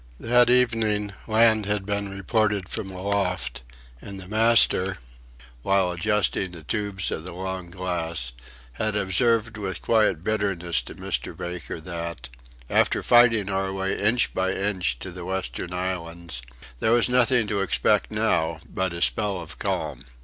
That evening land had been reported from aloft, and the master, while adjusting the tubes of the long glass, had observed with quiet bitterness to Mr. Baker that, after fighting our way inch by inch to the Western Islands, there was nothing to expect now but a spell of calm.